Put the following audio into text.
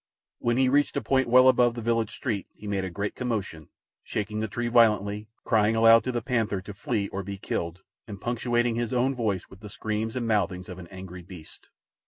When he reached a point well above the village street he made a great commotion, shaking the tree violently, crying aloud to the panther to flee or be killed, and punctuating his own voice with the screams and mouthings of an angry beast.